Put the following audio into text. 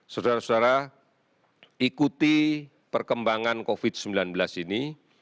saudara saudara ikuti perkembangan covid sembilan belas ini